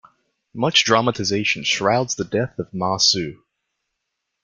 Much dramatization shrouds the death of Ma Su.